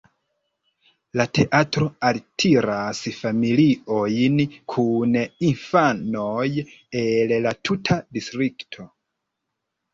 La teatro altiras familiojn kun infanoj el la tuta distrikto.